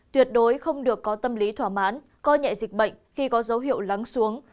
tuyệt đối không được có tâm lý thỏa mãn coi nhẹ dịch bệnh khi có dấu hiệu lắng xuống